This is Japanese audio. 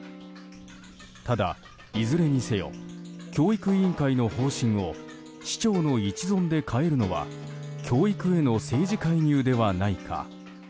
ただ、いずれにせよ教育委員会の方針を市長の一存で変えるのは教育への政治介入ではないか。